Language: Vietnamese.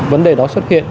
vấn đề đó xuất hiện